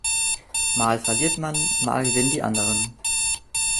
Mal verliert man, mal gewinnen die anderen.